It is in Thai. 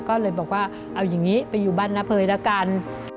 ก็เลยบอกว่าเอาอย่างนี้ไปอยู่บ้านน้าเภยแล้วกัน